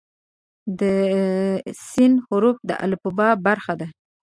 د "س" حرف د الفبا برخه ده.